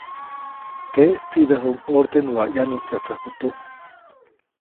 Teʼ tsiʼdäjuʼuŋ ʼorden waʼ ʼyanuntsyatsäjku tuj.